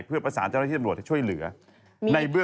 เพื่อประสานเจ้าหน้าที่ตำรวจให้ช่วยเหลือ